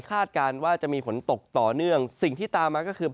การว่าจะมีฝนตกต่อเนื่องสิ่งที่ตามมาก็คือ